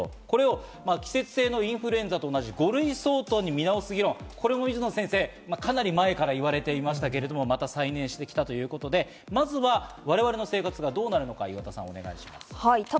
現在は２類相当、これを季節性インフルエンザと同じ５類相当に見直す議論、かなり前から言われていましたが、また再燃してきたということで、まずは我々の生活がどうなるのかお願いします。